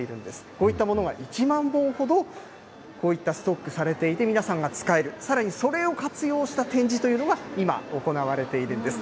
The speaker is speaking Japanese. こういったものが１万本ほど、こういったストックされていて、皆さんが使える、さらにそれを活用した展示というのが今、行われているんです。